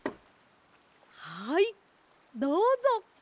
はいどうぞ。